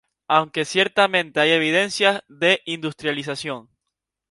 Aunque, ciertamente hay evidencias de industrialización.